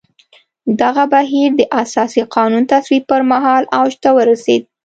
دغه بهیر د اساسي قانون تصویب پر مهال اوج ته ورسېد.